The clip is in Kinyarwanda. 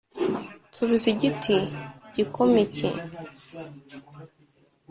Nsubiza Igiti gikoma iki!